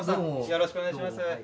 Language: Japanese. よろしくお願いします。